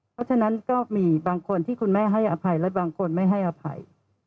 เพราะฉะนั้นก็มีบางคนที่คุณแม่ให้อภัยและบางคนไม่ให้อภัย